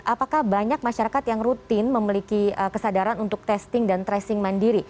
apakah banyak masyarakat yang rutin memiliki kesadaran untuk testing dan tracing mandiri